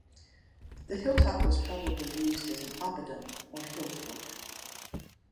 The hilltop was probably used as an "oppidum" or hill fort.